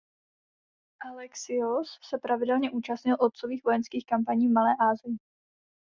Alexios se pravidelně účastnil otcových vojenských kampaní v Malé Asii.